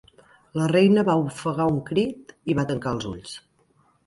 La reina va ofegar un crit i va tancar els ulls.